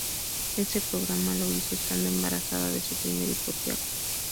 Ese programa lo hizo estando embarazada de su primer hijo "Tiago".